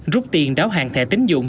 rút tiền đáo hàng thẻ tín dụng